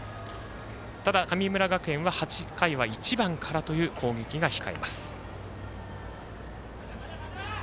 ただ、神村学園は８回は１番からという攻撃が控えます。